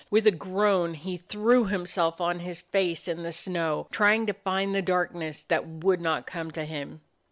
With a groan he threw himself on his face in the snow, trying to find the darkness that would not come to him.